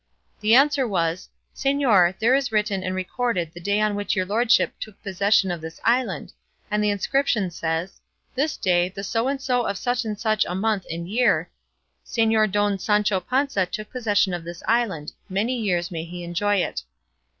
The answer was, "Señor, there is written and recorded the day on which your lordship took possession of this island, and the inscription says, 'This day, the so and so of such and such a month and year, Señor Don Sancho Panza took possession of this island; many years may he enjoy it.